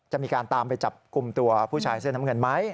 จะมีการตามไปจับกลุ่มตัวผู้ชายเสื้อน้ำเงินไหม